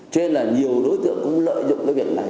cho nên là nhiều đối tượng cũng lợi dụng cái việc này